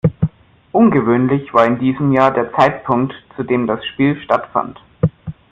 Ungewöhnlich war in diesem Jahr der Zeitpunkt zu em das Spiel stattfand.